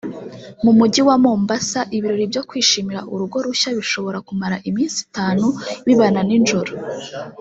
mu Mujyi wa Mombasa ibirori byo kwishimira urugo rushya bishobora kumara iminsi itanu biba na nijoro